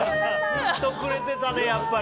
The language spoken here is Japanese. ヒントくれてたね、やっぱり！